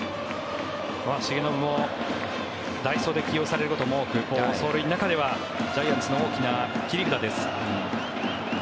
重信も代走で起用されることも多く走塁の中では、ジャイアンツの大きな切り札です。